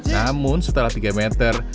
namun setelah tiga meter